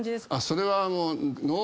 それは脳